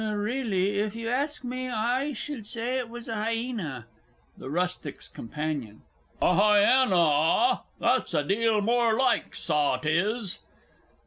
Well, really, if you ask me, I should say it was a hyena. THE RUSTIC'S COMP. A hyanna! ah, that's a deal moor like; saw 'tis!